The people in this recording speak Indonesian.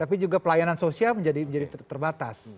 tapi juga pelayanan sosial menjadi terbatas